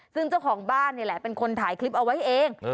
ซึ่งเจ้าของบ้านนี่แหละเป็นคนถ่ายคลิปเอาไว้เอง